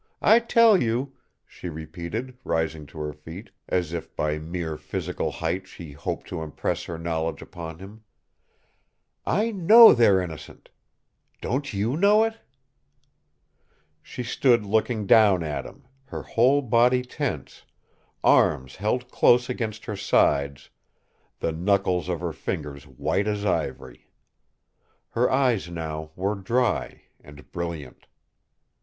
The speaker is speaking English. I tell you," she repeated, rising to her feet, as if by mere physical height she hoped to impress her knowledge upon him, "I know they're innocent. Don't you know it?" She stood looking down at him, her whole body tense, arms held close against her sides, the knuckles of her fingers white as ivory. Her eyes now were dry, and brilliant.